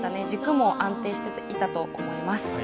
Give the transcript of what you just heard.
軸も安定していたと思います。